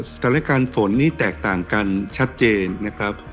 สถานการณ์ฝนนี่แตกต่างกันชัดเจนนะครับ